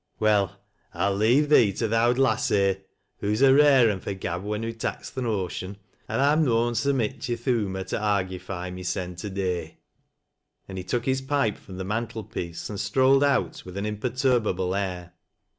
Well, I'll leave thee to th' owd lass here. Hoo's a rare un fur gab when hoo' taks th' notion, an' I'm noan so mich i' th' humor t' argufy mysen to day." And he took his pipe from the mantel piece and strolled out with an imperturbable air.